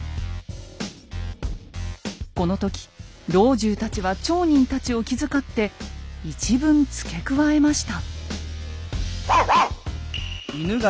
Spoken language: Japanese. この時老中たちは町人たちを気遣って一文付け加えました。